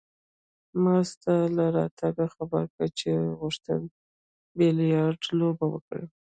ما ستا له راتګه خبر کړ چې غوښتل يې بیلیارډ لوبه وکړي.